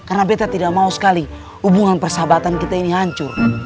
karena betta tidak mau sekali hubungan persahabatan kita ini hancur